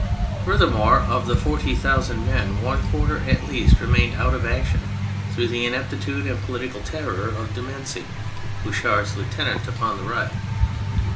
Furthermore, of the forty thousand men one quarter at least remained out of action through the ineptitude and political terror of Dumesny, Houchard's lieutenant upon the right.